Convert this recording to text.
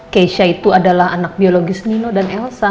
keisha itu adalah anak biologis nino dan elsa